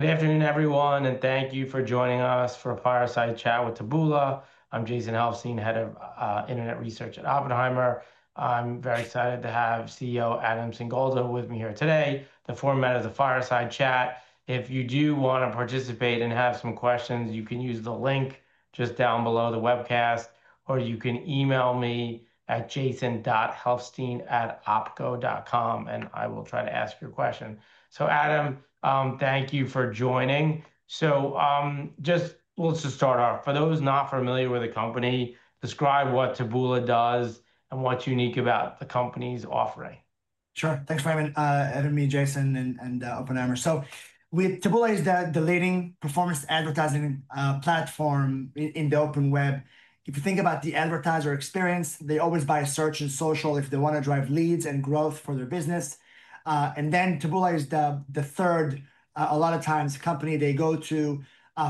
Good afternoon, everyone, and thank you for joining us for a fireside chat with Taboola. I'm Jason Helfstein, Head of Internet Research at Oppenheimer. I'm very excited to have CEO, Adam Singolda with me here today. The format of the fireside chat, if you do want to participate and have some questions, you can use the link just down below the webcast, or you can email me at jason.helfstein@opco.com, and I will try to ask your question. Adam, thank you for joining. Let's just start off. For those not familiar with the company, describe what Taboola does and what's unique about the company's offering? Sure. Thanks, Raymond. Adam, me, Jason, and Oppenheimer. Taboola is the leading performance advertising platform in the open web. If you think about the advertiser experience, they always buy search and social if they want to drive leads and growth for their business. Taboola is the third, a lot of times, company they go to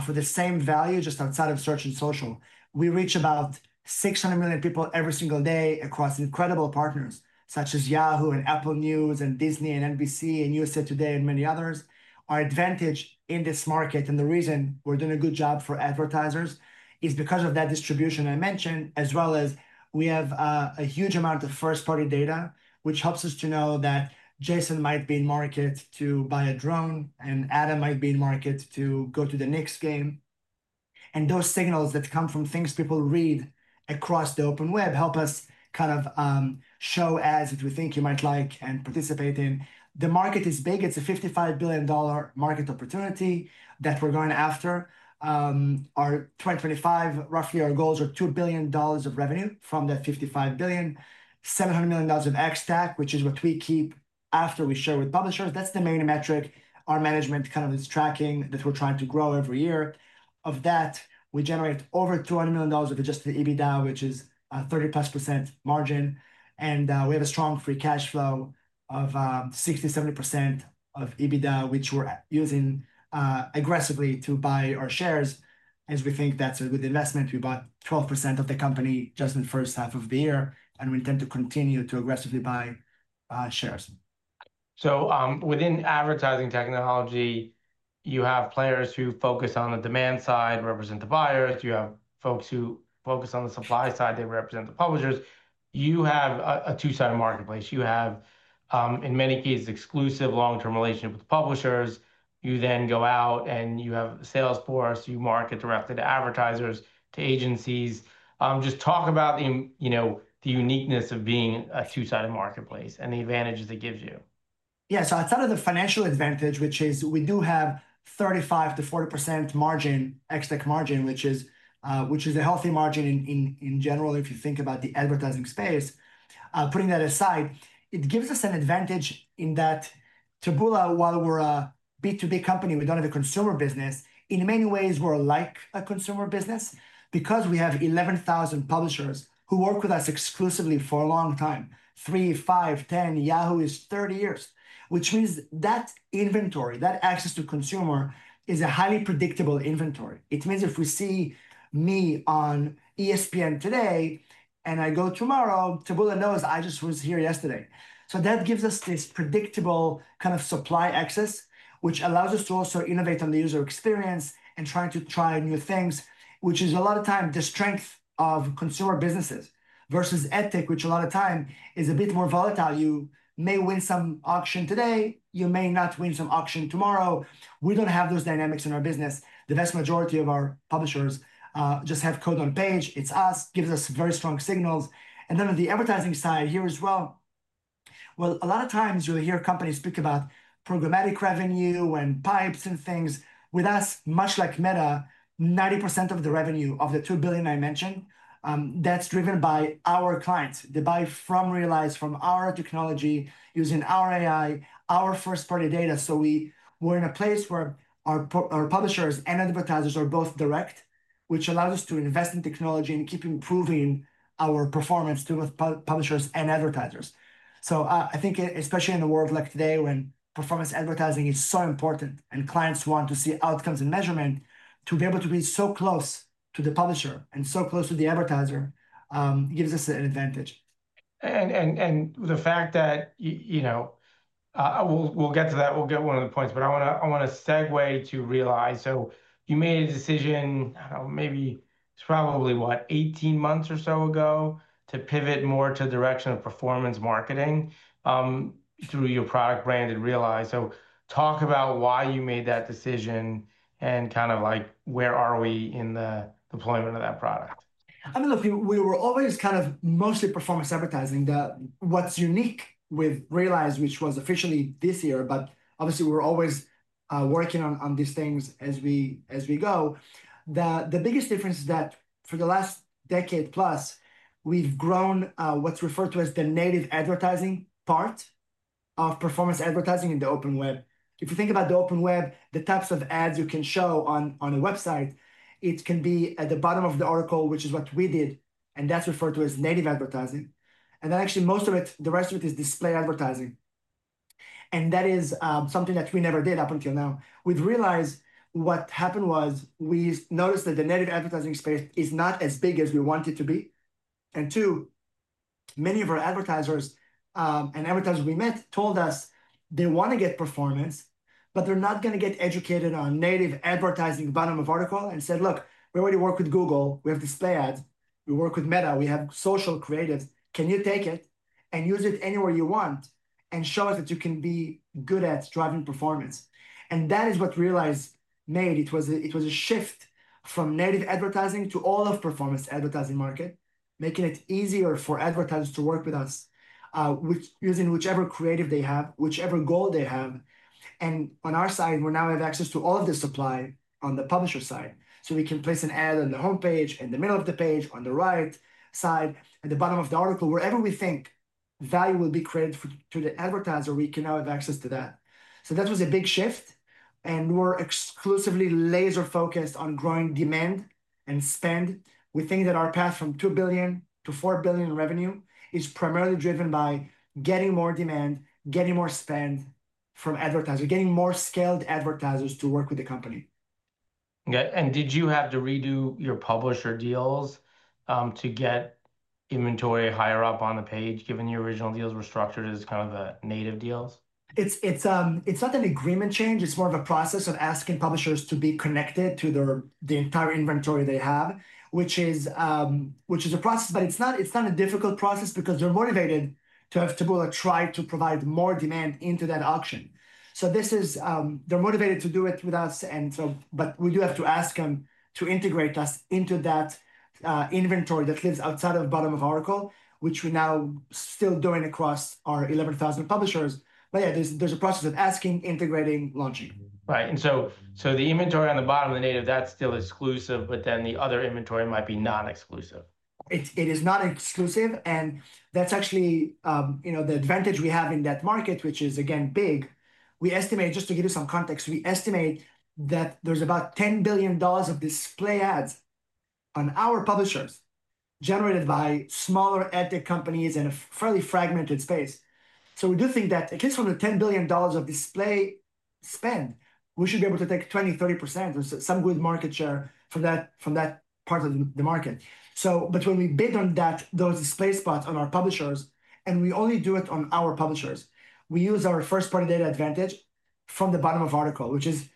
for the same value, just outside of search and social. We reach about 600 million people every single day across incredible partners, such as Yahoo, Apple News, Disney, NBC News, USA Today, and many others. Our advantage in this market, and the reason we're doing a good job for advertisers, is because of that distribution I mentioned, as well as we have a huge amount of first-party data, which helps us to know that Jason might be in market to buy a drone, and Adam might be in market to go to the Knicks game. Those signals that come from things people read across the open web help us kind of show ads that we think you might like and participate in. The market is big. It's a $55 billion market opportunity that we're going after. Our 2025, roughly, our goals are $2 billion of revenue from that $55 billion, $700 million of ex-TAC, which is what we keep after we share with publishers. That's the main metric our management kind of is tracking that we're trying to grow every year. Of that, we generate over $200 million of adjusted EBITDA, which is a 30%+ margin. We have a strong free cash flow of 60% - 70% of EBITDA, which we're using aggressively to buy our shares. As we think that's a good investment, we bought 12% of the company just in the first half of the year, and we intend to continue to aggressively buy shares. Within advertising technology, you have players who focus on the demand side, represent the buyers. You have folks who focus on the supply side. They represent the publishers. You have a two-sided marketplace. In many cases, you have exclusive long-term relationships with publishers. You then go out, and you have a sales force. You market directly to advertisers, to agencies. Just talk about the uniqueness of being a two-sided marketplace and the advantages it gives you? Yeah, so outside of the financial advantage, which is we do have 35% - 40% margin, ex-TAC margin, which is a healthy margin in general, if you think about the advertising space. Putting that aside, it gives us an advantage in that Taboola, while we're a B2B company, we don't have a consumer business. In many ways, we're like a consumer business because we have 11,000 publishers who work with us exclusively for a long time. Three, five, ten, Yahoo is 30 years, which means that inventory, that access to consumer, is a highly predictable inventory. It means if we see me on ESPN today and I go tomorrow, Taboola knows I just was here yesterday. That gives us this predictable kind of supply access, which allows us to also innovate on the user experience and try new things, which is a lot of times the strength of consumer businesses versus AdTech, which a lot of times is a bit more volatile. You may win some auction today. You may not win some auction tomorrow. We don't have those dynamics in our business. The vast majority of our publishers just have code on page. It's us. It gives us very strong signals. On the advertising side here as well, a lot of times you'll hear companies speak about programmatic revenue and pipes and things. With us, much like Meta, 90% of the revenue of the $2 billion I mentioned, that's driven by our clients. They buy from Realize, from our technology, using our AI, our first-party data. We're in a place where our publishers and advertisers are both direct, which allows us to invest in technology and keep improving our performance to both publishers and advertisers. I think, especially in a world like today, when performance advertising is so important and clients want to see outcomes and measurement, to be able to be so close to the publisher and so close to the advertiser gives us an advantage. The fact that, you know, we'll get to that. We'll get to one of the points, but I want to segue to Realize. You made a decision, I don't know, maybe it's probably what, 18 months or so ago to pivot more to the direction of performance marketing through your product brand at Realize. Talk about why you made that decision and kind of like where are we in the deployment of that product? I mean, look, we were always kind of mostly performance advertising. What's unique with Realize, which was officially this year, but obviously we're always working on these things as we go. The biggest difference is that for the last decade plus, we've grown what's referred to as the native advertising part of performance advertising in the open web. If you think about the open web, the types of ads you can show on a website, it can be at the bottom of the article, which is what we did. That's referred to as native advertising. Actually, most of it, the rest of it is display advertising. That is something that we never did up until now. With Realize, what happened was we noticed that the native advertising space is not as big as we want it to be. Two, many of our advertisers and advertisers we met told us they want to get performance, but they're not going to get educated on native advertising bottom of article and said, look, we already work with Google. We have display ads. We work with Meta. We have social creatives. Can you take it and use it anywhere you want and show us that you can be good at driving performance? That is what Realize made. It was a shift from native advertising to all of performance advertising market, making it easier for advertisers to work with us using whichever creative they have, whichever goal they have. On our side, we now have access to all of the supply on the publisher side. We can place an ad on the homepage, in the middle of the page, on the right side, at the bottom of the article, wherever we think value will be created to the advertiser, we can now have access to that. That was a big shift. We're exclusively laser-focused on growing demand and spend. We think that our path from $2 billion to $4 billion revenue is primarily driven by getting more demand, getting more spend from advertising, getting more skilled advertisers to work with the company. Okay. Did you have to redo your publisher deals to get inventory higher up on the page, given your original deals were structured as kind of the native deals? It's not an agreement change. It's more of a process of asking publishers to be connected to the entire inventory they have, which is a process. It's not a difficult process because they're motivated to have Taboola try to provide more demand into that auction. They're motivated to do it with us. We do have to ask them to integrate us into that inventory that lives outside of the bottom of article, which we now still do across our 11,000 publishers. There's a process of asking, integrating, launching. Right. The inventory on the bottom of the native, that's still exclusive, but then the other inventory might be non-exclusive? It is not exclusive. That's actually the advantage we have in that market, which is, again, big. We estimate, just to give you some context, that there's about $10 billion of display ads on our publishers generated by smaller AdTech companies in a fairly fragmented space. We do think that at least from the $10 billion of display spend, we should be able to take 20%, 30%, or some good market share from that part of the market. When we bid on those display spots on our publishers, and we only do it on our publishers, we use our first-party data advantage from the bottom of article, which is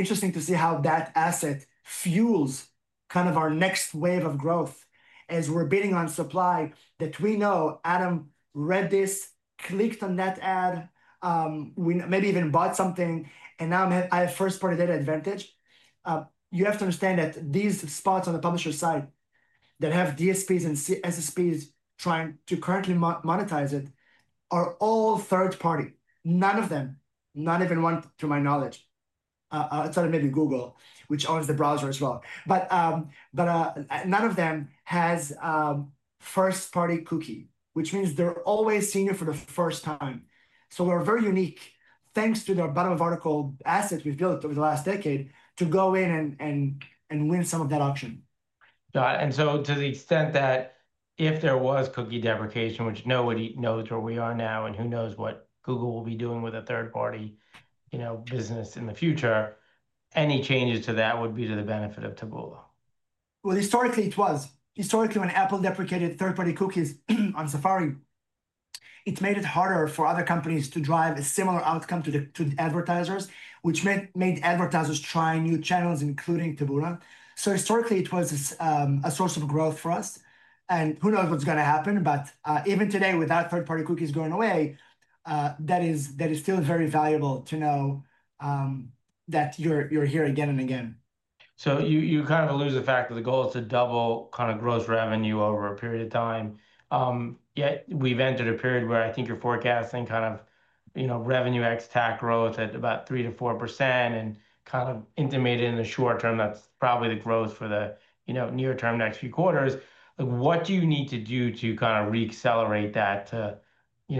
interesting to see how that asset fuels our next wave of growth as we're bidding on supply that we know Adam read this, clicked on that ad, maybe even bought something, and now I have first-party data advantage. You have to understand that these spots on the publisher side that have DSPs and SSPs trying to currently monetize it are all third-party. None of them, not even one to my knowledge, outside of maybe Google, which owns the browser as well, has a first-party cookie, which means they're always seeing you for the first time. We're very unique thanks to the bottom of article asset we've built over the last decade to go in and win some of that auction. To the extent that if there was cookie deprecation, which nobody knows where we are now, and who knows what Google will be doing with a third-party business in the future, any changes to that would be to the benefit of Taboola? Historically, it was. Historically, when Apple deprecated third-party cookies on Safari, it made it harder for other companies to drive a similar outcome to the advertisers, which made advertisers try new channels, including Taboola. Historically, it was a source of growth for us. Who knows what's going to happen. Even today, without third-party cookies going away, that is still very valuable to know that you're here again and again. You kind of lose the fact that the goal is to double kind of gross revenue over a period of time. Yet we've entered a period where I think you're forecasting kind of revenue ex-TAC growth at about 3% to 4% and kind of intimated in the short term that's probably the growth for the near term next few quarters. What do you need to do to kind of re-accelerate that to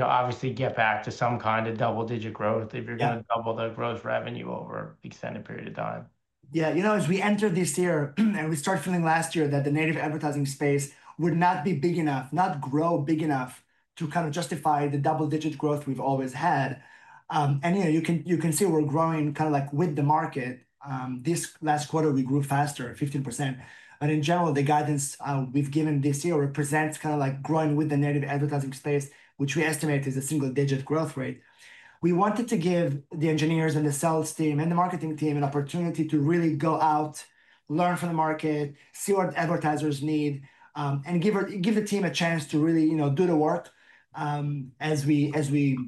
obviously get back to some kind of double-digit growth if you're going to double the gross revenue over an extended period of time? Yeah, you know, as we enter this year and we start feeling last year that the native advertising space would not be big enough, not grow big enough to kind of justify the double-digit growth we've always had. You can see we're growing kind of like with the market. This last quarter, we grew faster, 15%. In general, the guidance we've given this year represents kind of like growing with the native advertising space, which we estimate is a single-digit growth rate. We wanted to give the engineers and the sales team and the marketing team an opportunity to really go out, learn from the market, see what advertisers need, and give the team a chance to really do the work as we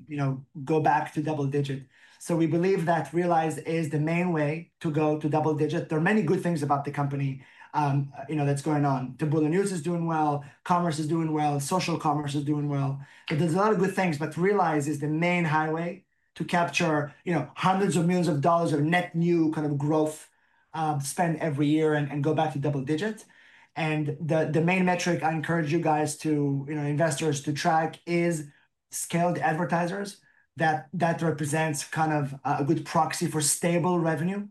go back to double-digit. We believe that Realize is the main way to go to double-digit. There are many good things about the company that's going on. Taboola News is doing well. Commerce is doing well. Social commerce is doing well. There's a lot of good things, but Realize is the main highway to capture hundreds of millions of dollars of net new kind of growth spend every year and go back to double-digit. The main metric I encourage you guys to, investors, to track is skilled advertisers. That represents kind of a good proxy for stable revenue.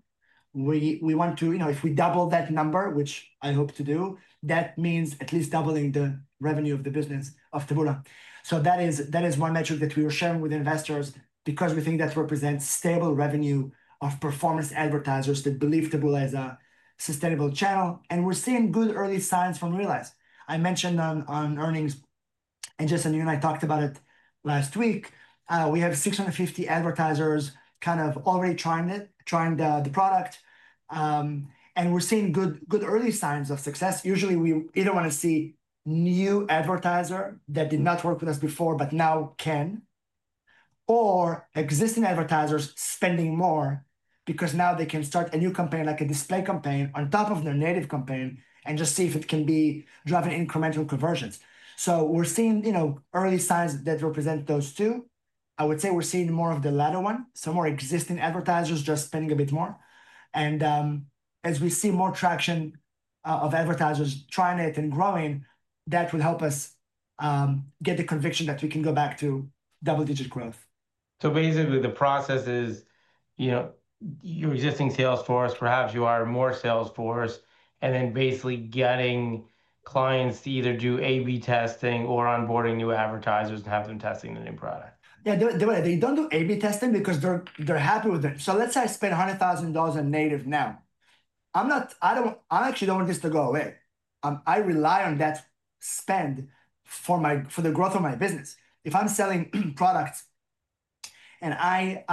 We want to, you know, if we double that number, which I hope to do, that means at least doubling the revenue of the business of Taboola. That is one metric that we are sharing with investors because we think that represents stable revenue of performance advertisers that believe Taboola is a sustainable channel. We're seeing good early signs from Realize. I mentioned on earnings, and Jason, you and I talked about it last week, we have 650 advertisers kind of already trying the product. We're seeing good early signs of success. Usually, we either want to see new advertisers that did not work with us before, but now can, or existing advertisers spending more because now they can start a new campaign, like a display campaign, on top of their native campaign and just see if it can drive incremental conversions. We're seeing early signs that represent those two. I would say we're seeing more of the latter one, so more existing advertisers just spending a bit more. As we see more traction of advertisers trying it and growing, that will help us get the conviction that we can go back to double-digit growth. The process is your existing sales force, perhaps you are more sales force, and then basically getting clients to either do A/B testing or onboarding new advertisers and have them testing the new product. Yeah, they don't do A/B testing because they're happy with it. Let's say I spend $100,000 on native now. I actually don't want this to go away. I rely on that spend for the growth of my business. If I'm selling e-products and I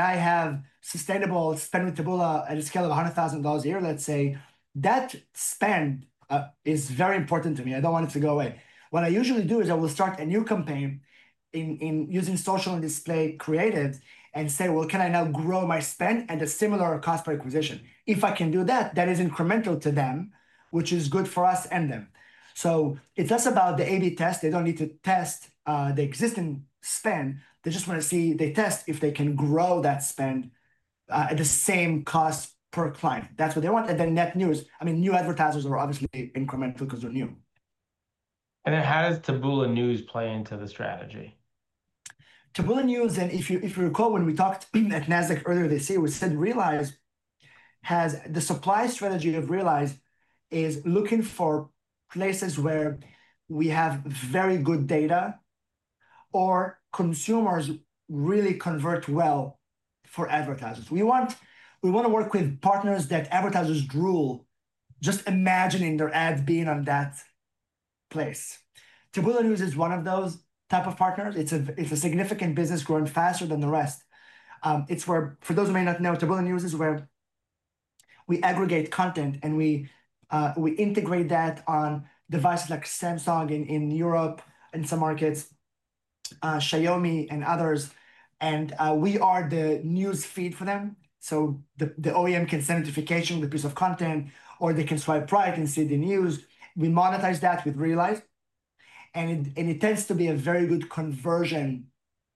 have sustainable spend with Taboola at a scale of $100,000 a year, that spend is very important to me. I don't want it to go away. What I usually do is I will start a new campaign using social and display creative and say, can I now grow my spend at a similar cost per acquisition? If I can do that, that is incremental to them, which is good for us and them. It's less about the A/B test. They don't need to test the existing spend. They just want to see they test if they can grow that spend at the same cost per client. That's what they want. Net new, I mean, new advertisers are obviously incremental because they're new. How does Taboola News play into the strategy? Taboola News, and if you recall when we talked at NASDAQ earlier this year, we said Realize has the supply strategy of Realize is looking for places where we have very good data or consumers really convert well for advertisers. We want to work with partners that advertisers drool, just imagining their ads being on that place. Taboola News is one of those types of partners. It's a significant business, growing faster than the rest. For those who may not know, Taboola News is where we aggregate content, and we integrate that on devices like Samsung in Europe and some markets, Xiaomi, and others. We are the news feed for them. The OEM can send a notification with a piece of content, or they can swipe right and see the news. We monetize that with Realize. It tends to be a very good conversion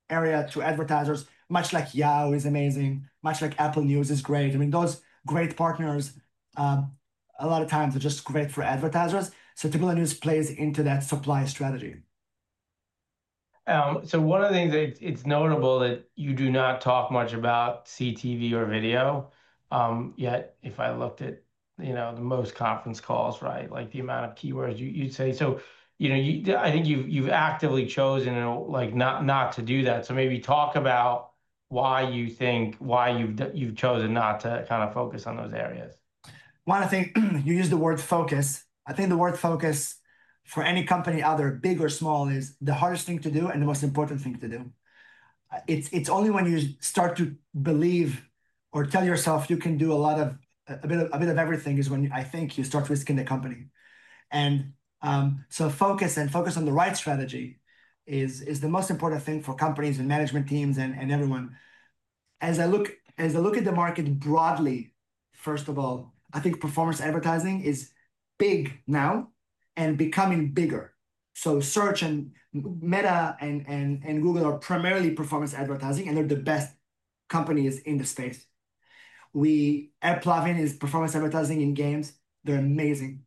area to advertisers, much like Yahoo is amazing, much like Apple News is great. Those great partners a lot of times are just great for advertisers. Taboola News plays into that supply strategy. One of the things that it's notable that you do not talk much about CTV or video. Yet if I looked at the most conference calls, the amount of keywords you'd say. I think you've actively chosen not to do that. Maybe talk about why you think you've chosen not to kind of focus on those areas? I think you use the word focus. I think the word focus for any company, either big or small, is the hardest thing to do and the most important thing to do. It's only when you start to believe or tell yourself you can do a lot of a bit of everything is when I think you start risking the company. Focus and focus on the right strategy is the most important thing for companies and management teams and everyone. As I look at the market broadly, first of all, I think performance advertising is big now and becoming bigger. Search and Meta and Google are primarily performance advertising, and they're the best companies in the space. We are plugging in performance advertising in games. They're amazing.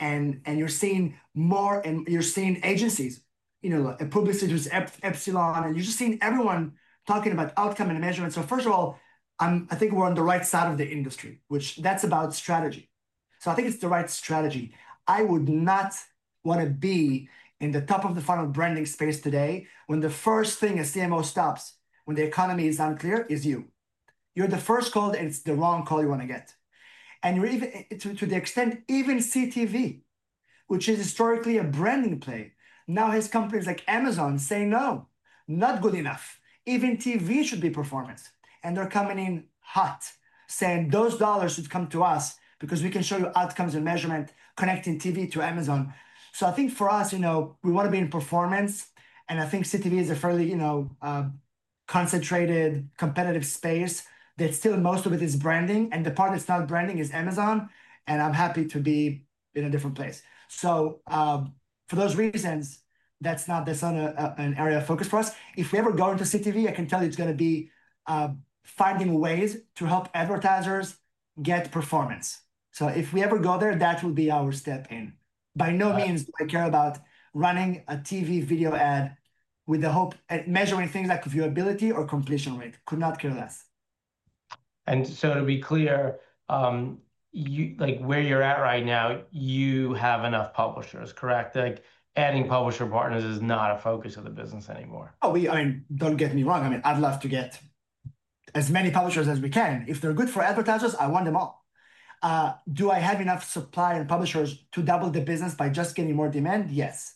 You're seeing more, and you're seeing agencies, you know, Publicis Epsilon, and you're just seeing everyone talking about outcome and measurement. First of all, I think we're on the right side of the industry, which that's about strategy. I think it's the right strategy. I would not want to be in the top of the funnel branding space today when the first thing a CMO stops, when the economy is unclear, is you. You're the first called, and it's the wrong call you want to get. To the extent, even CTV, which is historically a branding play, now has companies like Amazon saying, no, not good enough. Even TV should be performance. They're coming in hot, saying those dollars should come to us because we can show you outcomes and measurement, connecting TV to Amazon. I think for us, we want to be in performance. I think CTV is a fairly, you know, concentrated, competitive space that still most of it is branding. The part that's not branding is Amazon. I'm happy to be in a different place. For those reasons, that's not an area of focus for us. If we ever go into CTV, I can tell you it's going to be finding ways to help advertisers get performance. If we ever go there, that will be our step in. By no means do I care about running a TV video ad with the hope at measuring things like viewability or completion rate. Could not care less. To be clear, like where you're at right now, you have enough publishers, correct? Like adding publisher partners is not a focus of the business anymore. Oh, I mean, don't get me wrong. I mean, I'd love to get as many publishers as we can. If they're good for advertisers, I want them all. Do I have enough supply and publishers to double the business by just getting more demand? Yes.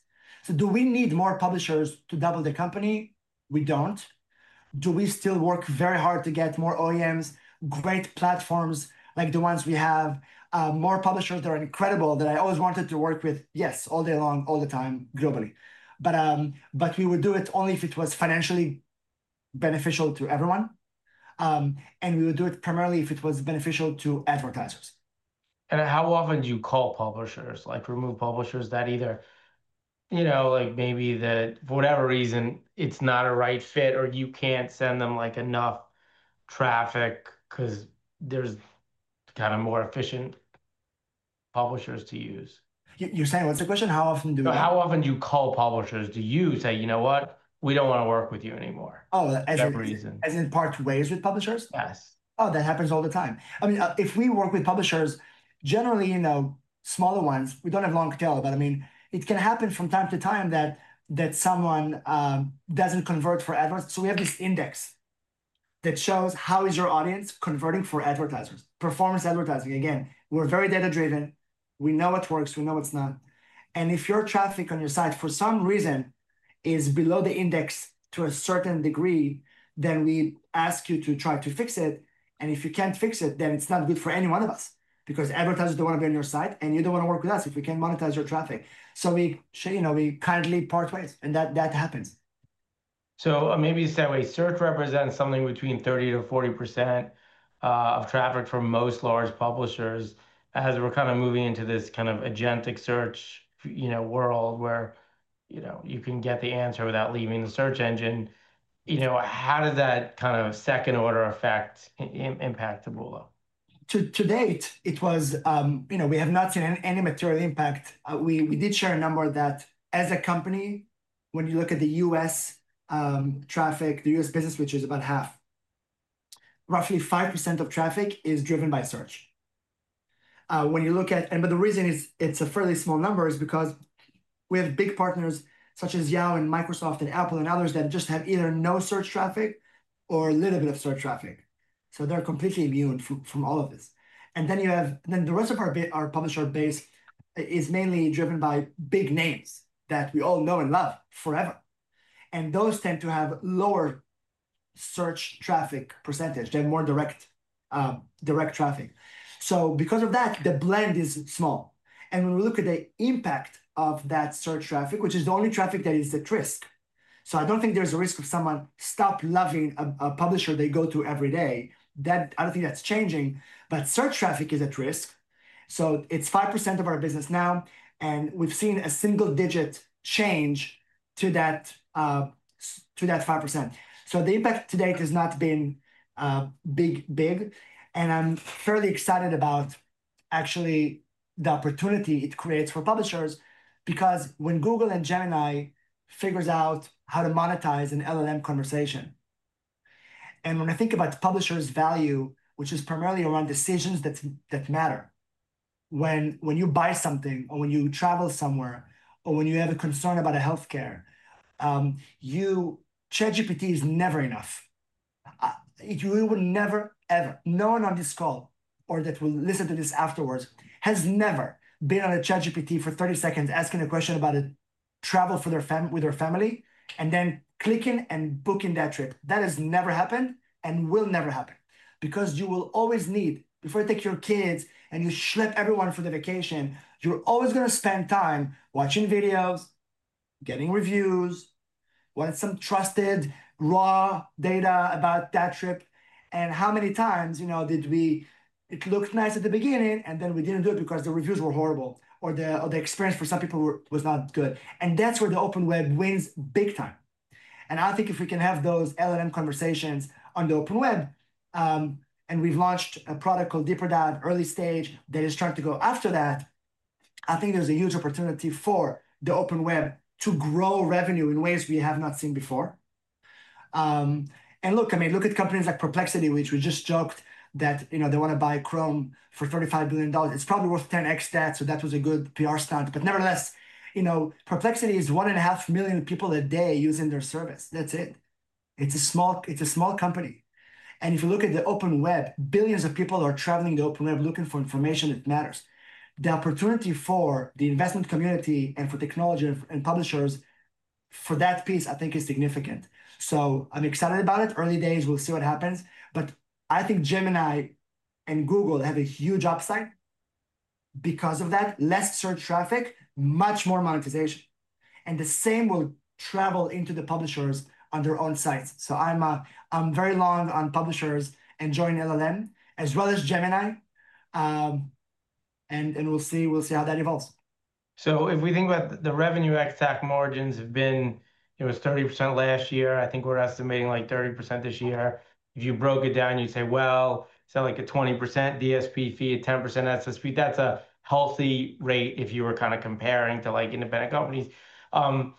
Do we need more publishers to double the company? We don't. We still work very hard to get more OEMs, great platforms like the ones we have, more publishers that are incredible, that I always wanted to work with. Yes, all day long, all the time, globally. We would do it only if it was financially beneficial to everyone. We would do it primarily if it was beneficial to advertisers. How often do you call publishers, like remove publishers that either, you know, maybe that for whatever reason, it's not a right fit or you can't send them enough traffic because there's more efficient publishers to use? You're saying what's the question? How often do we? How often do you call publishers to say, you know what, we don't want to work with you anymore? Oh, as in part ways with publishers? Yes. Oh, that happens all the time. I mean, if we work with publishers, generally, you know, smaller ones, we don't have long tail. It can happen from time to time that someone doesn't convert for adverts. We have this index that shows how is your audience converting for advertisers, performance advertising. Again, we're very data-driven. We know what works. We know what's not. If your traffic on your site for some reason is below the index to a certain degree, we ask you to try to fix it. If you can't fix it, it's not good for any one of us because advertisers don't want to be on your site, and you don't want to work with us if you can't monetize your traffic. We kind of part ways, and that happens. So, maybe it's that way, search represents something between 30% - 40% of traffic for most large publishers as we're kind of moving into this kind of agentic search world where you can get the answer without leaving the search engine. How did that kind of second-order effect impact Taboola? To date, we have not seen any material impact. We did share a number that as a company, when you look at the US traffic, the US business, which is about half, roughly 5% of traffic is driven by search. The reason it's a fairly small number is because we have big partners such as Yahoo, Microsoft, Apple News, and others that just have either no search traffic or a little bit of search traffic. They are completely immune from all of this. The rest of our publisher base is mainly driven by big names that we all know and love forever. Those tend to have lower search traffic percentage. They have more direct traffic. Because of that, the blend is small. When we look at the impact of that search traffic, which is the only traffic that is at risk, I don't think there's a risk of someone stopping loving a publisher they go to every day. I don't think that's changing. Search traffic is at risk. It's 5% of our business now. We've seen a single-digit change to that 5%. The impact to date has not been big. I'm fairly excited about actually the opportunity it creates for publishers because when Google and Gemini figure out how to monetize an LLM conversation, and when I think about the publisher's value, which is primarily around decisions that matter, when you buy something or when you travel somewhere or when you have a concern about health care, ChatGPT is never enough. We would never, ever, no one on this call or that will listen to this afterwards has ever been on a ChatGPT for 30 seconds asking a question about travel with their family and then clicking and booking that trip. That has never happened and will never happen because you will always need, before you take your kids and you schlep everyone for the vacation, you're always going to spend time watching videos, getting reviews, want some trusted raw data about that trip, and how many times did we, it looked nice at the beginning and then we didn't do it because the reviews were horrible or the experience for some people was not good. That's where the open web wins big time. I think if we can have those LLM conversations on the open web, and we've launched a product called DeeperDive, early stage that is trying to go after that, I think there's a huge opportunity for the open web to grow revenue in ways we have not seen before. Look at companies like Perplexity, which we just joked that, you know, they want to buy Chrome for $35 billion. It's probably worth 10x that. That was a good PR stunt. Nevertheless, Perplexity is 1.5 million people a day using their service. That's it. It's a small company. If you look at the open web, billions of people are traveling the open web looking for information that matters. The opportunity for the investment community and for technology and publishers for that piece, I think, is significant. I'm excited about it. Early days, we'll see what happens. I think Gemini and Google have a huge upside because of that. Less search traffic, much more monetization. The same will travel into the publishers on their own sites. I'm very long on publishers and join LLM as well as Gemini. We'll see how that evolves. If we think about the revenue, ex-TAC margins have been 30% last year. I think we're estimating like 30% this year. If you broke it down, you'd say it's like a 20% DSP fee, a 10% SSP. That's a healthy rate if you were kind of comparing to independent companies. Are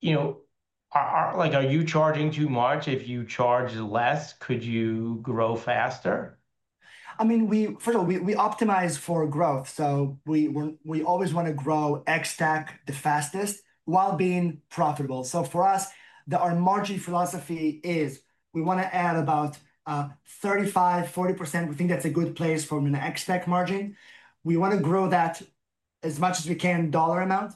you charging too much? If you charge less, could you grow faster? I mean, we, first of all, we optimize for growth. We always want to grow ex-TAC the fastest while being profitable. For us, our margin philosophy is we want to add about 35%, 40%. We think that's a good place for an ex-TAC margin. We want to grow that as much as we can, dollar amount.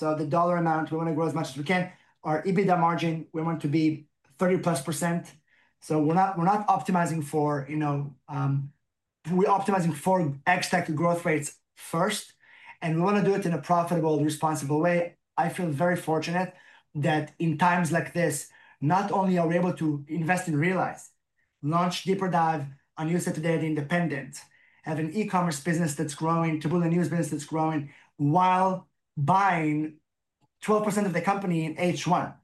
The dollar amount, we want to grow as much as we can. Our EBITDA margin, we want to be 30%+. We're not optimizing for, you know, we're optimizing for ex-TAC growth rates first. We want to do it in a profitable, responsible way. I feel very fortunate that in times like this, not only are we able to invest in Realize, launch DeeperDive, a new set today at the Independent, have an e-commerce business that's growing, Taboola News business that's growing while buying 12% of the company in H1.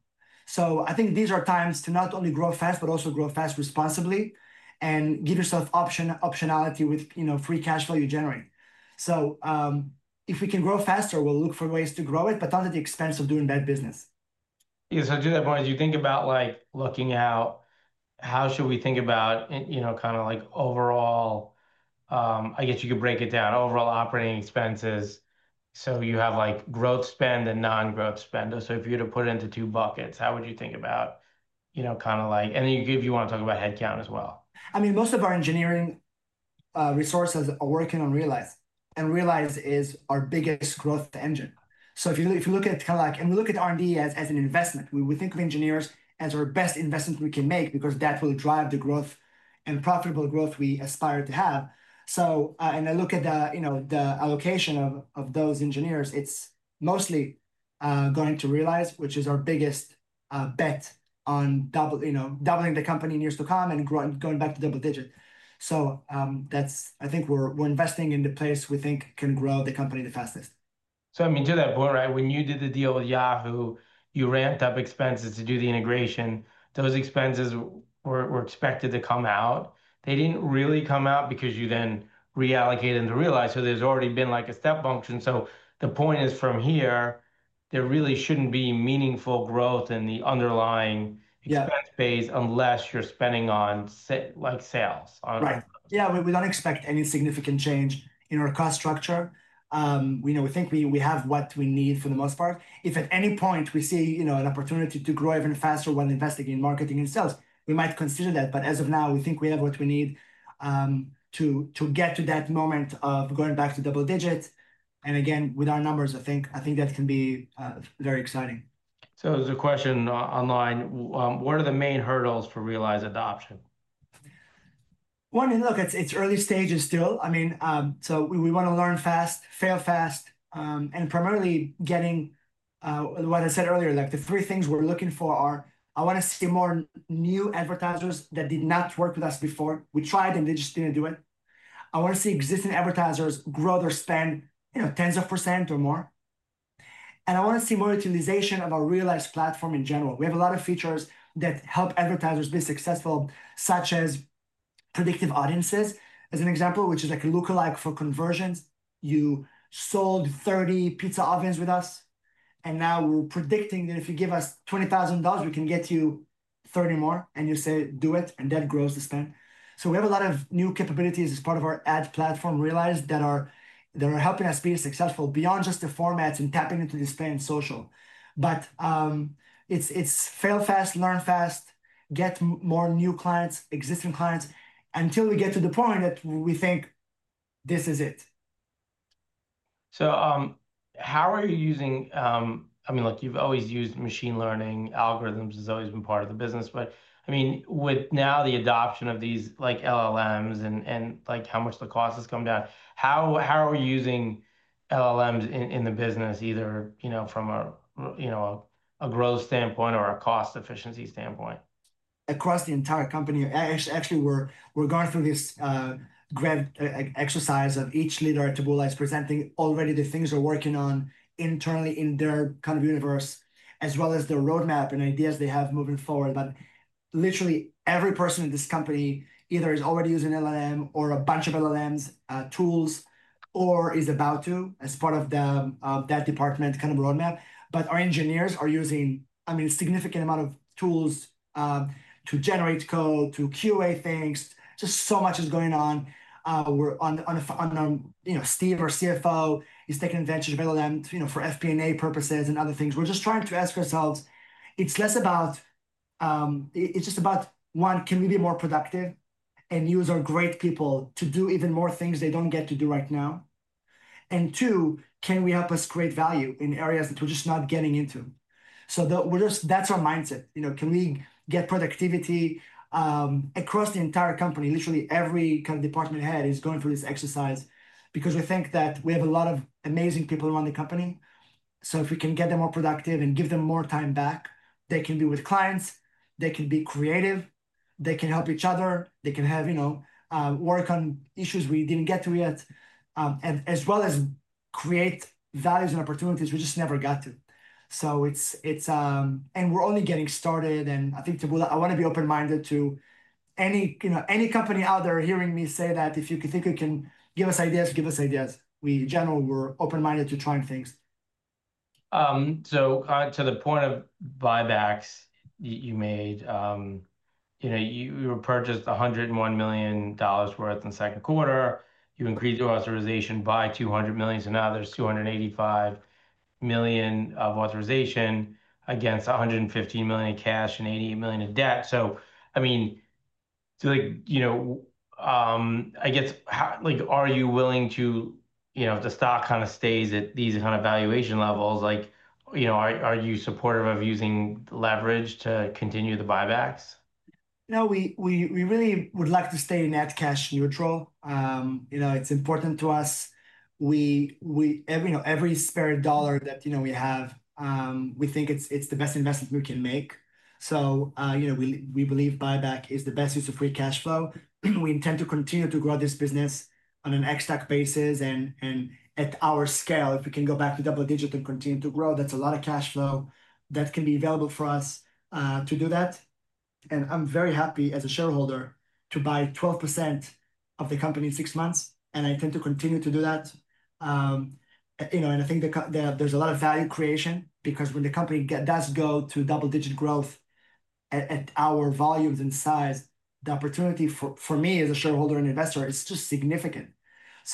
I think these are times to not only grow fast, but also grow fast, responsibly, and give yourself optionality with, you know, free cash flow you generate. If we can grow faster, we'll look for ways to grow it, but not at the expense of doing bad business. Yeah, to that point, do you think about looking out, how should we think about, you know, kind of like overall, I guess you could break it down, overall operating expenses. You have growth spend and non-growth spend. If you were to put it into two buckets, how would you think about, you know, kind of like, and then you want to talk about headcount as well. I mean, most of our engineering resources are working on Realize. Realize is our biggest growth engine. If you look at Kellogg and you look at R&D as an investment, we think of engineers as our best investment we can make because that will drive the growth and profitable growth we aspire to have. I look at the allocation of those engineers. It's mostly going to Realize, which is our biggest bet on doubling the company years to come and going back to double digit. I think we're investing in the place we think can grow the company the fastest. To that point, right, when you did the deal with Yahoo, you ramped up expenses to do the integration? Those expenses were expected to come out. They didn't really come out because you then reallocated into Realize. There's already been like a step function. The point is from here, there really shouldn't be meaningful growth in the underlying expense base unless you're spending on like sales. Right. Yeah, we don't expect any significant change in our cost structure. We think we have what we need for the most part. If at any point we see an opportunity to grow even faster while investing in marketing and sales, we might consider that. As of now, we think we have what we need to get to that moment of going back to double digits. With our numbers, I think that can be very exciting. There's a question online. What are the main hurdles for Realize adoption? One, look, it's early stages still. We want to learn fast, fail fast, and primarily, getting what I said earlier, like the three things we're looking for are, I want us to see more new advertisers that did not work with us before. We tried and they just didn't do it. I want to see existing advertisers grow their spend, you know, tens of percent or more. I want to see more utilization of our Realize platform in general. We have a lot of features that help advertisers be successful, such as predictive audiences, as an example, which is like a lookalike for conversions. You sold 30 pizza ovens with us, and now we're predicting that if you give us $20,000 we can get you 30 more. You say, do it, and that grows the spend. We have a lot of new capabilities as part of our ad platform, Realize, that are helping us be successful beyond just the formats and tapping into display and social. It's fail fast, learn fast, get more new clients, existing clients, until we get to the point that we think this is it. You've always used machine learning. Algorithms have always been part of the business. With the adoption of these LLMs and how much the cost has come down, how are you using LLMs in the business, either from a growth standpoint or a cost efficiency standpoint? Across the entire company, actually, we're going through this exercise of each leader at Taboola is presenting already the things they're working on internally in their kind of universe, as well as the roadmap and ideas they have moving forward. Literally, every person in this company either is already using large language models or a bunch of large language model tools or is about to as part of that department kind of roadmap. Our engineers are using, I mean, a significant amount of tools to generate code, to QA things. Just so much is going on. We're on Steve, our CFO, is taking advantage of large language models for FP&A purposes and other things. We're just trying to ask ourselves, it's less about, it's just about one, can we be more productive and use our great people to do even more things they don't get to do right now? Two, can we help us create value in areas that we're just not getting into? That's our mindset. You know, can we get productivity across the entire company? Literally, every kind of department head is going through this exercise because we think that we have a lot of amazing people around the company. If we can get them more productive and give them more time back, they can be with clients, they can be creative, they can help each other, they can work on issues we didn't get to yet, as well as create values and opportunities we just never got to. We're only getting started. I think Taboola, I want to be open-minded to any, you know, any company out there hearing me say that if you think you can give us ideas, give us ideas. We in general, we're open-minded to trying things. To the point of buybacks you made, you purchased $101 million worth in the second quarter. You increased your authorization by $200 million. Now there's $285 million of authorization against $115 million in cash and $88 million in debt. I mean, are you willing to, if the stock kind of stays at these valuation levels, are you supportive of using leverage to continue the buybacks? No, we really would like to stay net cash neutral. It's important to us. Every spare dollar that we have, we think it's the best investment we can make. We believe buyback is the best use of free cash flow. We intend to continue to grow this business on an exact basis. At our scale, if we can go back to double digits and continue to grow, that's a lot of cash flow that can be available for us to do that. I'm very happy as a shareholder to buy 12% of the company in six months, and I intend to continue to do that. I think that there's a lot of value creation because when the company does go to double digit growth at our volumes and size, the opportunity for me as a shareholder and investor is just significant.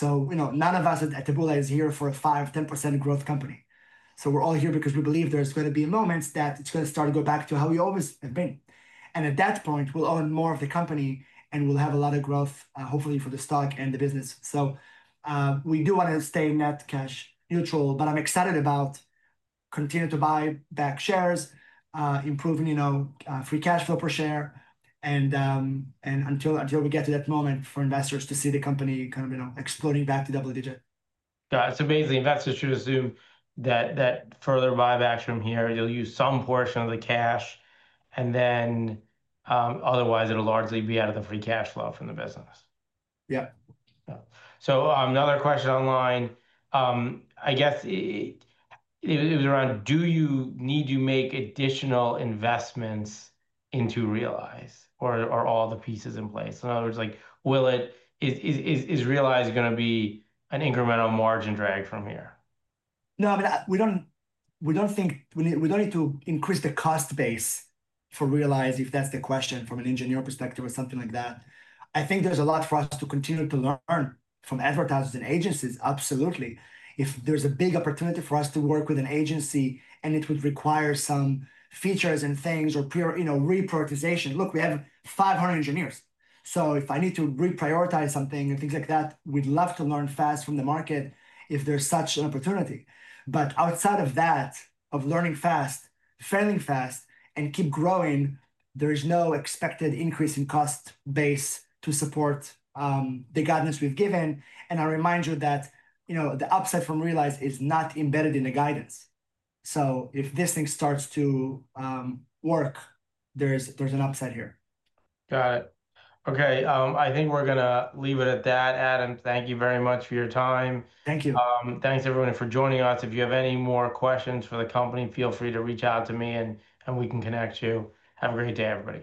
None of us at Taboolais here for a 5%, 10% growth company. We're all here because we believe there's going to be moments that it's going to start to go back to how we always have been. At that point, we'll own more of the company and we'll have a lot of growth, hopefully, for the stock and the business. We do want to stay net cash neutral, but I'm excited about continuing to buy back shares, improving free cash flow per share, until we get to that moment for investors to see the company kind of exploding back to double digit. Yeah, basically, investors should assume that further buyback from here, you'll use some portion of the cash, and then otherwise, it'll largely be out of the free cash flow from the business. Yeah. Another question online, I guess it was around, do you need to make additional investments into Realize or are all the pieces in place? In other words, is Realize going to be an incremental margin drag from here? No, I mean, we don't think we need to increase the cost base for Realize if that's the question from an engineer perspective or something like that. I think there's a lot for us to continue to learn from advertisers and agencies, absolutely. If there's a big opportunity for us to work with an agency and it would require some features and things or pure, you know, reprioritization, look, we have 500 engineers. If I need to reprioritize something and things like that, we'd love to learn fast from the market if there's such an opportunity. Outside of that, of learning fast, failing fast, and keep growing, there is no expected increase in cost base to support the guidance we've given. I'll remind you that the upside from Realize is not embedded in the guidance. If this thing starts to work, there's an upside here. Got it. OK, I think we're going to leave it at that. Adam, thank you very much for your time. Thank you. Thanks, everyone, for joining us. If you have any more questions for the company, feel free to reach out to me and we can connect you. Have a great day, everybody.